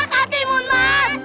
iya kak timun mas